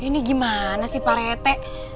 ini gimana sih pak rete